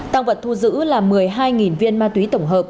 tăng vật thu giữ là một mươi hai viên ma túy tổng hợp